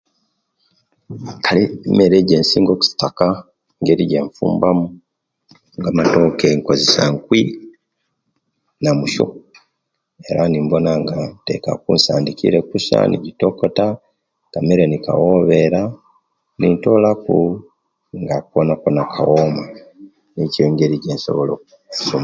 Kale emere ejensinga okuttaka engeri ejenfumba mu nga amatoke nkozesya inkwi namusiyo era nibonanga ntekaku nsandikire kusa nibitokota akamere nikwobera nintola ku nga konakona kowoma nikyo engeri ejesobola okufumba